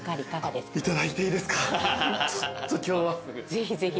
ぜひぜひ。